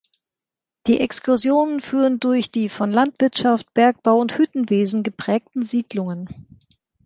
Die Exkursionen führen durch die von Landwirtschaft, Bergbau und Hüttenwesen geprägten Siedlungen.